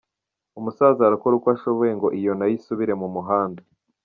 Umusaza arakora uko ashoboye ngo iyo na yo isubire mu muhanda.